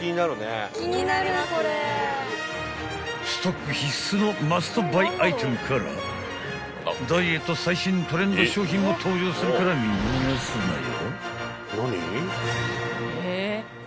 ［ストック必須のマストバイアイテムからダイエット最新トレンド商品も登場するから見逃すなよ］